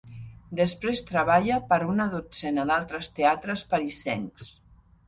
Després treballa per a una dotzena d'altres teatres parisencs.